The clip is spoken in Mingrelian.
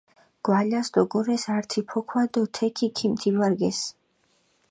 გვალას დოგორეს ართი ფოქვა დო თექი ქიმთიბარგესჷ.